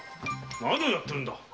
何をやってるんだ！